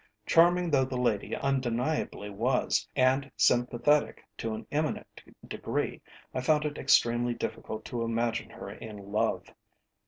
Charming though the lady undeniably was, and sympathetic to an eminent degree, I found it extremely difficult to imagine her in love.